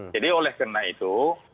jadi oleh karena itu